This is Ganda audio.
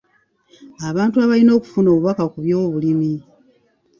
Abantu balina okufuna obubaka ku by'obulimi.